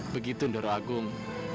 begitu ndoro agung